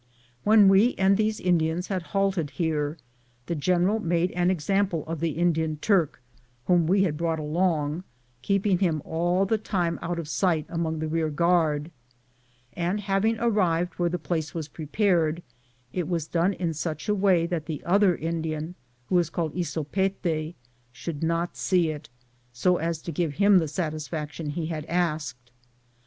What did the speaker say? When we and these Indians had halted here, the gen eral made an example of the Indian Turk, whom we had brought along, keeping him all the time out of sight among the rear guard, and having arrived where the place was prepared, it was done in such a way that the other Indian, who was called Iso pete, should not see it, so as to give him the satisfaction he had asked.